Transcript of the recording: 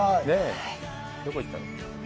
どこ行ったの？